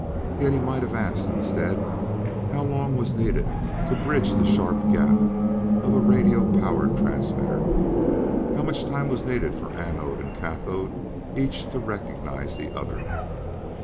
Yet he might have asked instead how long was needed to bridge the sharp gap of a radio power transmitter; how much time was needed for anode and cathode each to recognize the other.